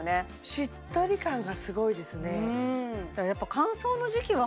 しっとり感がすごいですね